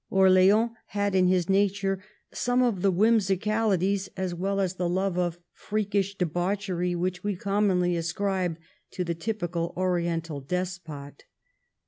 Orleans had in his nature some of the whimsi calities as well as the love for freakish debauchery which we commonly ascribe to the typical Oriental despot.